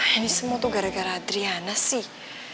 ini semua tuh gara gara adriana sih